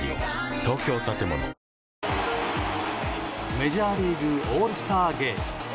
メジャーリーグオールスターゲーム。